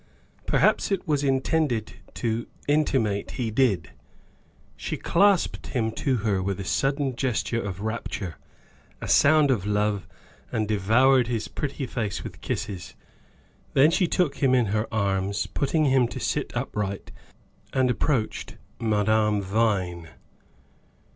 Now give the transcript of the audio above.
Perhaps it was intended to intimate he did. She clasped him to her with a sudden gesture of rapture, a sound of love, and devoured his pretty face with kisses. Then she took him in her arms, putting him to sit upright, and approached Madame Vine.